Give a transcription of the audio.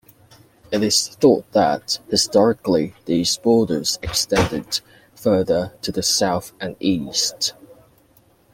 It is thought that historically these borders extended further to the south and east.